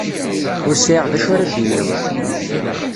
Ur sɛiɣ d acu ara d-iniɣ.